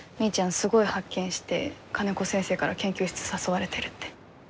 すごい発見して金子先生から研究室誘われてるって。